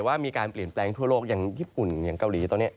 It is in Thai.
ว่ามีการเปลี่ยนแปลงทั่วโลกอย่างญี่ปุ่นอย่างเกาหลีตอนนี้